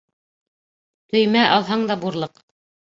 Төймә алһаң да бурлыҡ